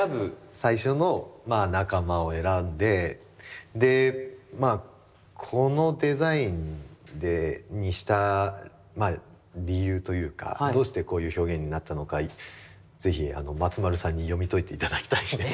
最初の仲間を選んででまあこのデザインにした理由というかどうしてこういう表現になったのか是非松丸さんに読み解いていただきたいんです。